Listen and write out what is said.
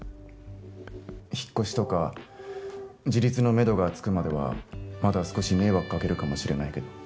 引っ越しとか自立のめどが付くまではまだ少し迷惑かけるかもしれないけど。